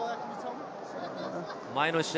前の試合